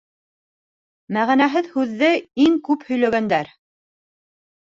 Мәғәнәһеҙ һүҙҙе иң күп һөйләгәндәр.